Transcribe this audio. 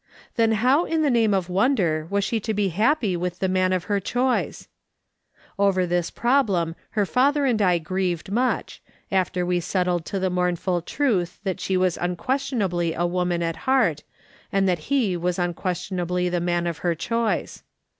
Then how in the name of wonder was she to be happy with the man of her choice ? Over this problem her father and I grieved much, after we settled to the mournful truth that she was unques tionably a woman at heart, and that he was unques tionably the man of her choice.